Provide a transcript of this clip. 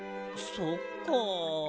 そっか。